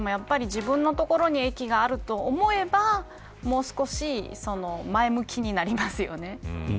自分の所に駅があると思えばもう少し前向きになりますよね。